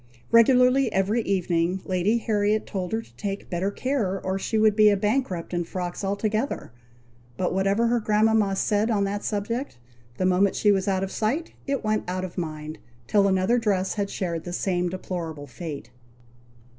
Regularly every evening Lady Harriet told her to take better care, or she would be a bankrupt in frocks altogether; but whatever her grandmama said on that subject, the moment she was out of sight, it went out of mind, till another dress had shared the same deplorable fate.